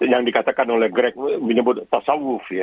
yang dikatakan oleh greg menyebut tasawuf